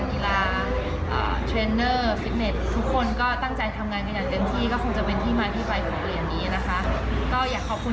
ว่าให้กำลังใจนักกีฬากันเยอะแล้วก็มีสำคัญหน้าที่ดีที่สุด